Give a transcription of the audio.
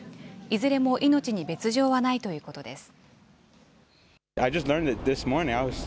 いずれも命に別状はないということです。